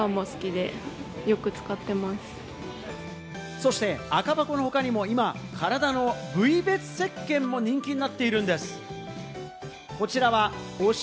そして赤箱の他にも今、体の部位別石けんも人気になっているんです。